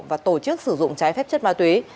và tổ chức sử dụng trái phép chất ma túy